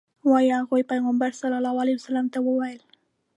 وایي هغوی پیغمبر صلی الله علیه وسلم ته وویل.